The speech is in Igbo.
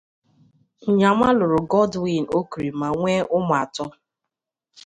Inyama lụrụ Godwin Okri ma nwee ụmụ atọ.